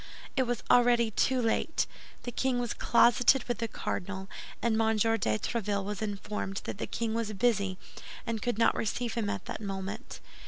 It was already too late. The king was closeted with the cardinal, and M. de Tréville was informed that the king was busy and could not receive him at that moment.